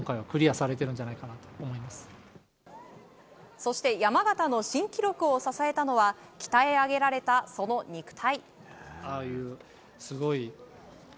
そして山縣の新記録を支えたのは鍛え上げられたその肉体。